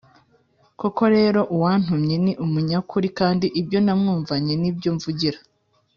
Koko rero uwantumye ni umunyakuri kandi ibyo namwumvanye ni byo mvugira